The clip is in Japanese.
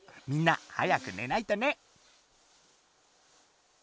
みんな早く寝ないとね。